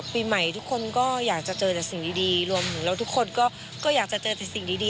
ปีใหม่ทุกคนก็อยากจะเจอแต่สิ่งดีรวมถึงแล้วทุกคนก็อยากจะเจอแต่สิ่งดี